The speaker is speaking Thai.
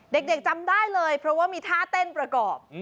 จำได้เลยเพราะว่ามีท่าเต้นประกอบ